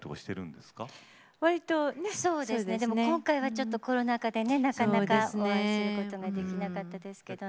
でも今回はコロナ禍でねなかなかお会いすることができなかったですけどね。